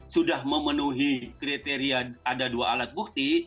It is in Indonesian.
sudah memenuhi kriteria ada dua alat bukti